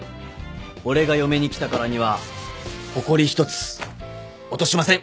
俺が嫁に来たからにはほこり一つ落としません